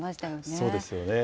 そうですよね。